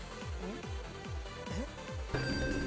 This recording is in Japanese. えっ？